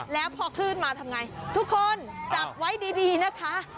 แล้วพอคลื่นมาทำไงทุกคนจับไว้ดีนะคะ